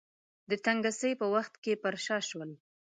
د تنګسې په وخت کې پر شا شول.